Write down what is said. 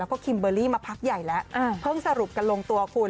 แล้วก็คิมเบอร์รี่มาพักใหญ่แล้วเพิ่งสรุปกันลงตัวคุณ